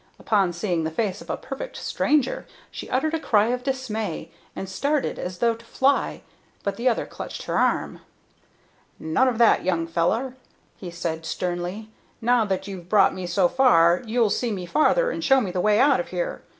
Upon seeing the face of a perfect stranger she uttered a cry of dismay, and started as though to fly, but the other clutched her arm. "None of that, young feller!" he said, sternly. "Now that you've brought me so far you'll see me farther and show me the way out of here.